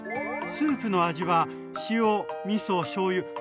スープの味は塩みそしょうゆ